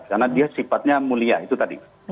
karena dia sifatnya mulia itu tadi